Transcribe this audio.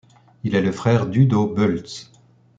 Il est le frère d'Udo Bölts.